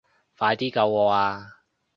快啲救我啊